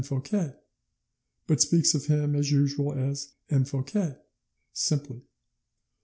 Fouquet," but speaks of him, as usual, as "M. Fouquet" simply.